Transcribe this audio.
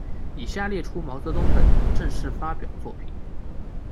以下列出毛泽东本人正式发表作品。